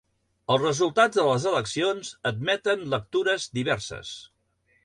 Els resultats de les eleccions admeten lectures diverses.